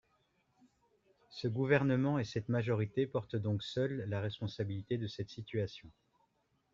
Ce gouvernement et cette majorité portent donc seuls la responsabilité de cette situation.